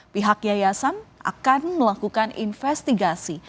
pihak yayasan akan melakukan investigasi